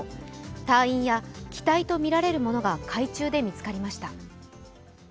隊員や機体とみられるものが海中で見つかりました。